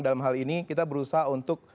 dalam hal ini kita berusaha untuk